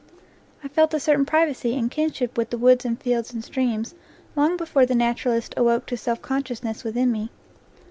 I felt a certain privacy and kinship with the woods and fields and streams long before the naturalist awoke to self consciousness within me.